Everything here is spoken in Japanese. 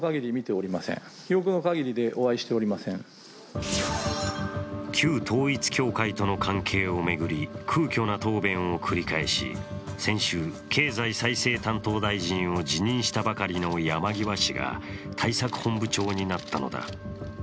それは旧統一教会との関係を巡り、空虚な答弁を繰り返し、先週、経済再生担当大臣を辞任したばかりの山際氏が対策本部長になったのだ。